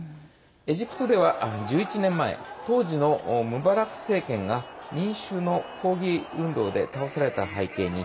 エジプトでは１１年前当時のムバラク政権が民衆の抗議運動で倒された背景に